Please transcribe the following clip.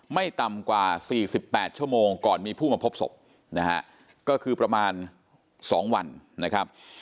ไม่ต่ำกว่า๔๘ชั่วโมงก่อนมีผู้มาพบศพนะฮะก็คือประมาณ๒วันนะครับ